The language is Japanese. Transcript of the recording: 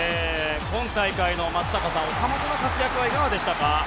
今大会の岡本の活躍はいかがでしたか。